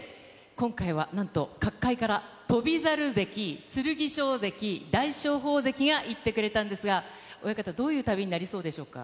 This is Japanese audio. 今回はなんと、角界から翔猿関、剣翔関、大翔鵬関が行ってくれたんですが、親方、どういう旅になりそうでしょうか。